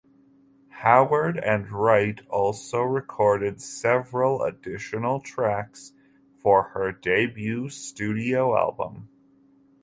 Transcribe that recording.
Howard and Wright also recorded several additional tracks for her debut studio album.